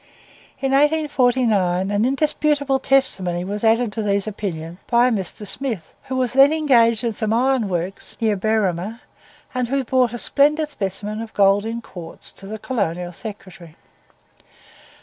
In 1849 an indisputable testimony was added to these opinions by a Mr. Smith, who was then engaged in some iron works, near Berrima, and who brought a splendid specimen of gold in quartz to the Colonial Secretary.